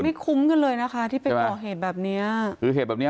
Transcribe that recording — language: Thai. มันไม่คุ้มกันเลยนะคะที่ไปบอกเหตุแบบนี้